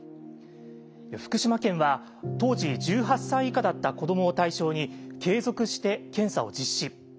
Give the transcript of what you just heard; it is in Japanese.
福島県は当時１８歳以下だった子どもを対象に継続して検査を実施。